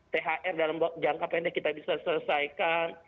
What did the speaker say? thr dalam jangka pendek kita bisa selesaikan